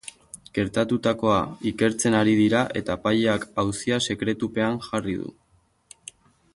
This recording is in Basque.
Gertatutakoa ikertzen ari dira eta epaileak auzia sekretupean jarri du.